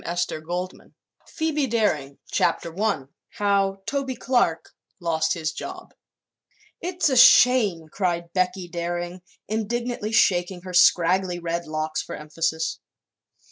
Page 282 Phoebe Daring CHAPTER I HOW TOBY CLARK LOST HIS JOB "It's a shame!" cried Becky Daring, indignantly shaking her scraggly red locks for emphasis.